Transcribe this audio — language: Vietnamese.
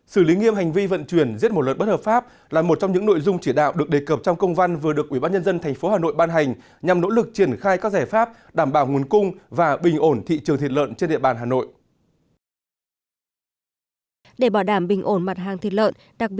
sử lý nghiêm hành vi vận chuyển giết một lợn bất hợp pháp là một trong những nội dung chỉ đạo được đề cập trong công văn vừa được ubnd tp hà nội ban hành nhằm nỗ lực triển khai các giải pháp đảm bảo nguồn cung và bình ổn thị trường thị trường thị trường thị trường